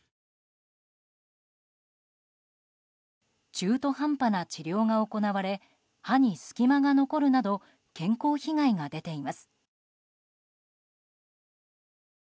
中途半端な治療が行われ歯に隙間が残るなど健康被害が出ています。